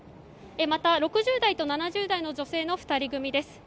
また、６０代と７０代の女性の２人組です。